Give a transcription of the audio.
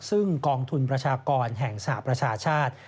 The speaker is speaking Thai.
ซึ่งกองทุนประชากรแห่งสหประชาชาติ